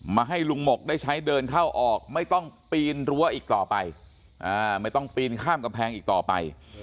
ให้ลุงหมกได้ใช้เดินเข้าออกไม่ต้องปีนรั้วอีกต่อไปไม่ต้องปีนข้ามกำแพงอีกต่อไป